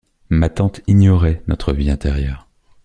Ma tante ignorait notre vie intérieure.